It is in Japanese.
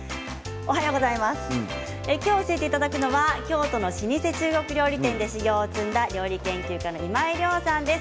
今日教えていただくのは京都の先生中国料理店で修業を積んだ料理研究家の今井亮さんです。